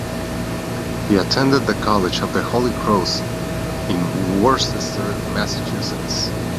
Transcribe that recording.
He attended the College of the Holy Cross in Worcester, Massachusetts.